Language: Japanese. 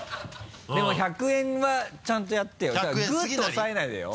でも１００円はちゃんとやってよグッと押さえないでよ？